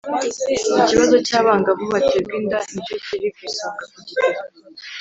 Icyibazo cy abangavu baterwa inda nicyo kiri ku isonga ku gipimo